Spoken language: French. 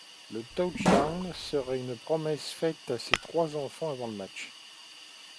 Le touchdown serait une promesse faite à ses trois enfants avant le match.